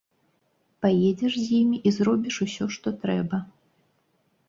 Паедзеш з імі і зробіш усё, што трэба.